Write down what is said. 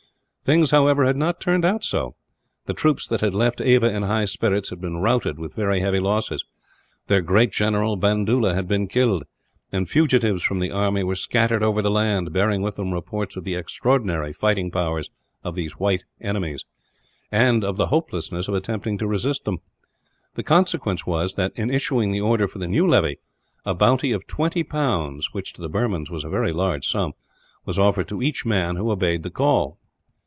Things, however, had not turned out so. The troops that had left Ava in high spirits had been routed, with very heavy losses. Their great general, Bandoola, had been killed; and fugitives from the army were scattered over the land, bearing with them reports of the extraordinary fighting powers of these white enemies, and of the hopelessness of attempting to resist them. The consequence was that in issuing the order for the new levy a bounty of twenty pounds, which to the Burmans was a very large sum, was offered to each man who obeyed the call.